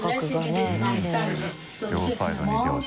両サイドに両親。